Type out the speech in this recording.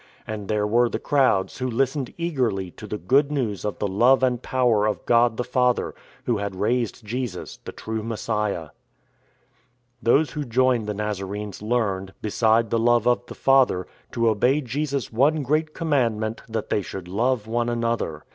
And there were the crowds, who listened eagerly to the Good News of the love and power of God the Father, Who had raised Jesus, the true Messiah. Those who joined the Nazarenes learned, beside the love of the Father, to obey Jesus' one great com mandment that they should " love one another."